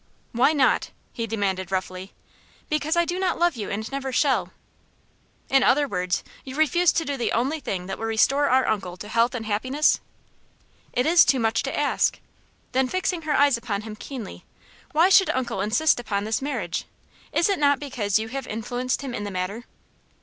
"Why not?" he demanded, roughly. "Because I do not love you, and never shall," she responded, firmly. "In other words, you refuse to do the only thing that will restore our uncle to health and happiness?" "It is too much to ask." Then, fixing her eyes upon him keenly: "Why should uncle insist upon this marriage? Is it not because you have influenced him in the matter?"